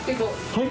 はい？